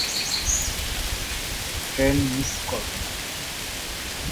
Train miss করবেন আপনি।